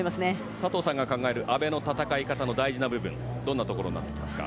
佐藤さんが考える阿部の戦い方の大事な部分はどんなところなんですか。